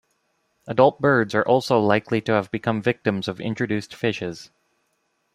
Adult birds are also likely to have become victims of introduced fishes.